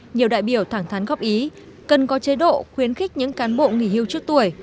nhiều đại biểu thẳng thắn góp ý cần có chế độ khuyến khích những cán bộ nghỉ hưu trước tuổi